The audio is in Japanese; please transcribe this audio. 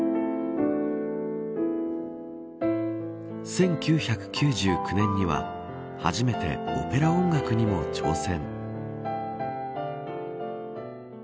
１９９９年には初めてオペラ音楽にも挑戦。